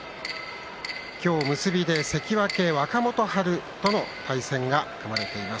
今日、結びで関脇若元春との対戦が組まれています。